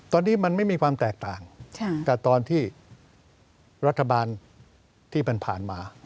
ตอนนี้มันไม่มีความแตกต่างกับตอนที่รัฐบาลที่ผ่านมา